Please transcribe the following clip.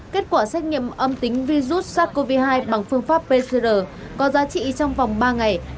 kết quả xét nghiệm âm tính virus sars cov hai bằng phương pháp pcr có giá trị trong vòng ba ngày